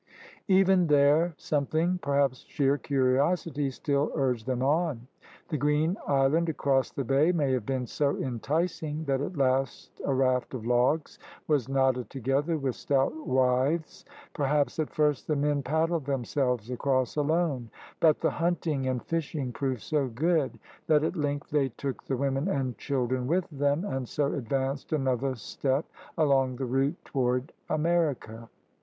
Even there something — perhaps sheer curiosity — still urged them on. The green island across the bay may have been so enticing that at last a raft of logs was knotted to gether with stout withes. Perhaps at first the men paddled themselves across alone, but the hunting and fishing proved so good that at length they took the women and children with them, and so advanced another step along the route toward America.